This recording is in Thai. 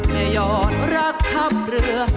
แม่ยอดรักท่ามเรือ